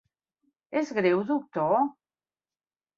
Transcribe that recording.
És greu, doctor?